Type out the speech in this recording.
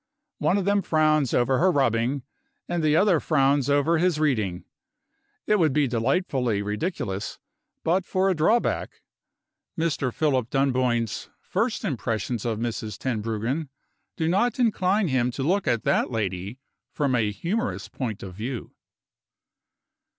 One of them frowns over her rubbing, and the other frowns over his reading. It would be delightfully ridiculous, but for a drawback; Mr. Philip Dunboyne's first impressions of Mrs. Tenbruggen do not incline him to look at that lady from a humorous point of view.